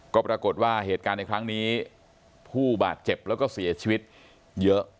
ก็ปรากฏว่าเหตุการณ์ในครั้งนี้ผู้บาดเจ็บแล้วก็เสียชีวิตเยอะ